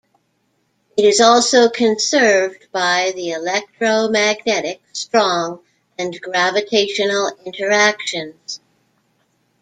It is also conserved by the electromagnetic, strong, and gravitational interactions.